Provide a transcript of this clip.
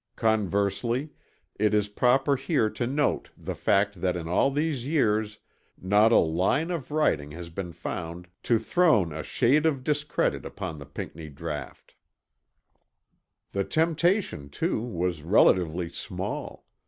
Conversely it is proper here to note the fact that in all these years not a line of writing has been found to thrown a shade of discredit upon the Pinckney draught. The temptation, too, was relatively small.